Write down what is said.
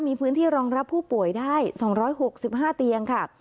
มีพื้นที่รองรับผู้ป่วยได้๒๖๕เตียงค่ะ